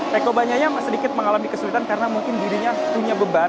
reko banyaya sedikit mengalami kesulitan karena mungkin dirinya punya beban